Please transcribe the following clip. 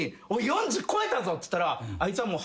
４０超えたぞっつったらあいつは。え！